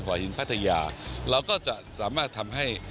หินพัทยาเราก็จะสามารถทำให้